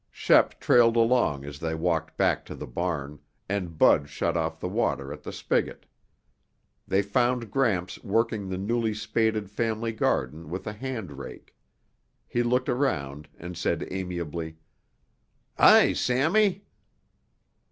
Shep trailed along as they walked back to the barn, and Bud shut off the water at the spigot. They found Gramps working the newly spaded family garden with a hand rake. He looked around and said amiably, "Hi, Sammy."